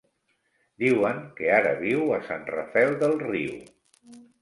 Diuen que ara viu a Sant Rafel del Riu.